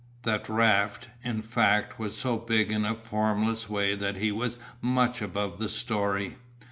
That Raft, in fact, was so big in a formless way that he was much above the story.